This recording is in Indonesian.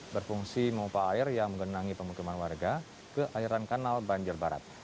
berfungsi memupa air yang mengenangi pemukiman warga ke airan kanal banjir barat